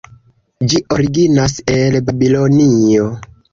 Ĝi originas el Babilonio.